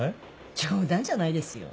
冗談じゃないですよ。